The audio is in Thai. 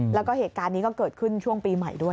แล้วก็เหตุการณ์นี้ก็เกิดขึ้นช่วงปีใหม่ด้วย